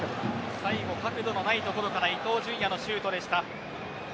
最後、角度のない所から伊東純也のシュートでした。